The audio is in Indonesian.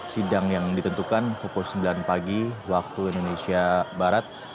sidang yang ditentukan pukul sembilan pagi waktu indonesia barat